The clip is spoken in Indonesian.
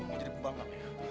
kamu mau jadi bubang gak ya